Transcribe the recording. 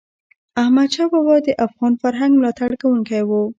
احمدشاه بابا د افغان فرهنګ ملاتړ کوونکی و.